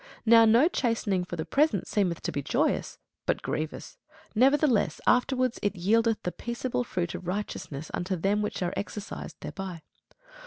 Now no chastening for the present seemeth to be joyous, but grievous: nevertheless afterward it yieldeth the peaceable fruit of righteousness unto them which are exercised thereby.